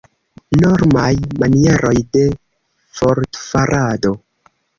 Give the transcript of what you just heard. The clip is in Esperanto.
Normaj manieroj de vortfarado.